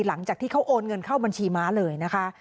หลังจากที่เขาโอนเงินเข้าบัญชีม้าเลยนะคะ